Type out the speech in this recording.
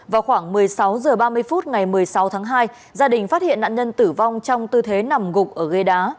vào khoảng một mươi sáu h ba mươi phút ngày một mươi sáu tháng hai gia đình phát hiện nạn nhân tử vong trong tư thế nằm gục ở gây đá